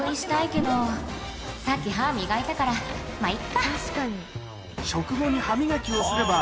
さっき歯磨いたからまぁいっか